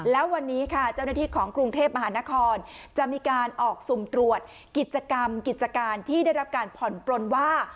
แล้ววันนี้ค่ะเจ้าหน้าที่ของกรุงเทพมหานครจะมีการออกสุ่มตรวจกิจกรรมกิจการที่ได้รับการผ่อนปลนว่า